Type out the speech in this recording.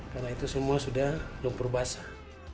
karena itu semua sudah lupur basah